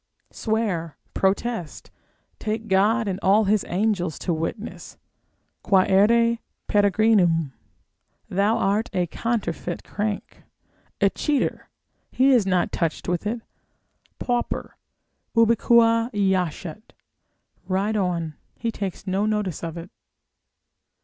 Swear, protest, take God and all his angels to witness, quaere peregrinum, thou art a counterfeit crank, a cheater, he is not touched with it, pauper ubique jacet, ride on, he takes no notice of it.